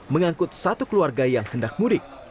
mengangkut satu keluarga yang hendak mudik